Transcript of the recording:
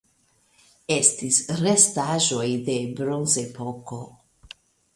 Estis restaĵoj de Bronzepoko.